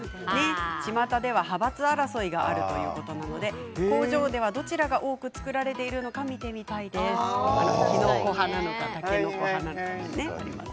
ちまたでは派閥争いがあるということなので工場ではどちらが多く作られているのか見てみたいですということです。